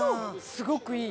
すごくいい。